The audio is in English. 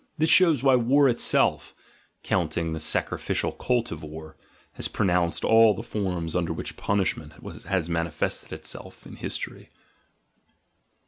This shows why war itself (counting the sacrificial cult of war) has produced all the forms under which punishment has manifested itself in history.